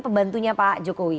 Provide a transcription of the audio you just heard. pembantunya pak jokowi